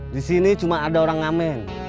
di sini cuma ada orang ngamen